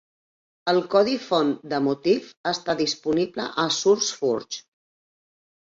El codi font de Motif està disponible a SourceForge.